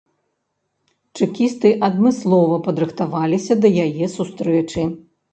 Чэкісты адмыслова падрыхтаваліся да яе сустрэчы.